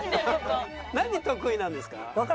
何得意なんですか？